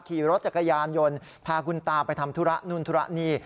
ขี่รถจักรยานยนต์พาคุณตาไปทำธุระนู่นธุระนี่